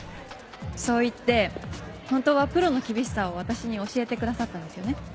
そう言って本当はプロの厳しさを私に教えてくださったんですよね。